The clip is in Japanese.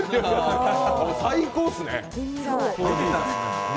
最高っすね。